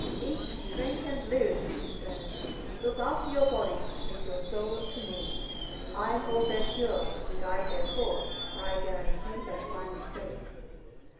"Eat, drink, and live!" she says. "Look after your bodies; leave your souls to me. I hold their cure—guide their course: I guarantee their final fate."